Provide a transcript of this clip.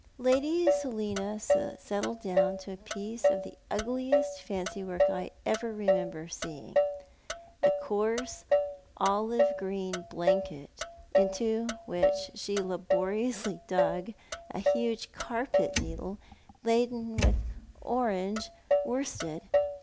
Lady Selina settled down to a piece of the ugliest fancy work I ever remember seeing — a coarse olive green blanket into Avbich she laboriously dug a huge carpet needle laden with orange worsted.